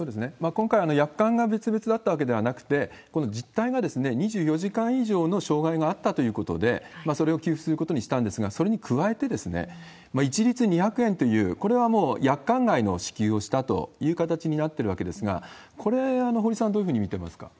今回は約款が別々だったわけではなくて、この実態が２４時間以上の障害があったということで、それを給付することにしたんですが、それに加えて、一律２００円という、これはもう約款外の支給をしたという形になったわけですが、これ、堀さん、どういうふうに見てますか？